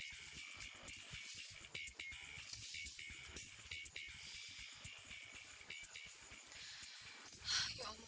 yaudah ibu jalan dulu ya